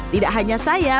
tidak hanya saya